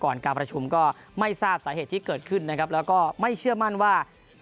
การประชุมก็ไม่ทราบสาเหตุที่เกิดขึ้นนะครับแล้วก็ไม่เชื่อมั่นว่า